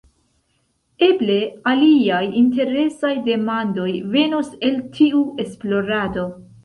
Eble aliaj interesaj demandoj venos el tiu esplorado.